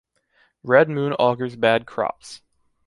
Red moon augurs bad crops.